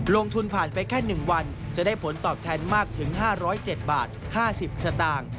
ลงทุนผ่านไปแค่๑วันจะได้ผลตอบแทนมากถึง๕๐๗บาท๕๐สตางค์